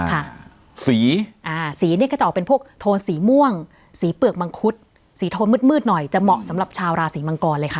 สีอ่าสีนี่ก็จะออกเป็นพวกโทนสีม่วงสีเปลือกมังคุดสีโทนมืดหน่อยจะเหมาะสำหรับชาวราศีมังกรเลยค่ะ